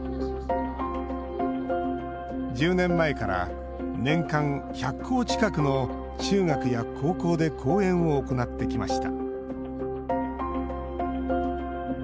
１０年前から年間１００校近くの中学や高校で講演を行ってきました